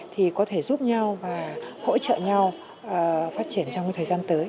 thì có thể giúp nhau và hỗ trợ nhau phát triển trong thời gian tới